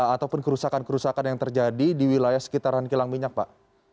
ataupun kerusakan kerusakan yang terjadi di wilayah sekitaran kilang minyak pak